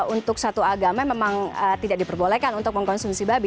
untuk satu agama memang tidak diperbolehkan untuk mengkonsumsi babi